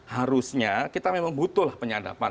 harusnya kita memang butuh lah penyadapan